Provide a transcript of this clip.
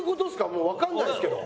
もうわかんないんですけど。